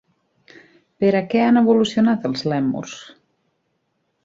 Per a què han evolucionat els lèmurs?